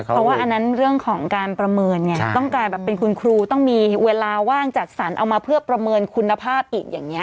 เพราะว่าอันนั้นเรื่องของการประเมินไงต้องการแบบเป็นคุณครูต้องมีเวลาว่างจัดสรรเอามาเพื่อประเมินคุณภาพอีกอย่างนี้